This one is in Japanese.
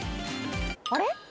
あれ？